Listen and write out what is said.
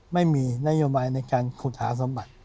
ไม่มีนโยบายในการขุดหาสมบัติ